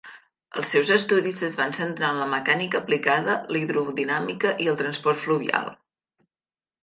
Els seus estudis es van centrar en la mecànica aplicada, la hidrodinàmica i el transport fluvial.